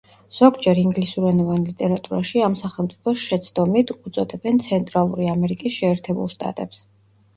ზოგჯერ, ინგლისურენოვან ლიტერატურაში ამ სახელმწიფოს შეცდომით უწოდებენ ცენტრალური ამერიკის შეერთებულ შტატებს.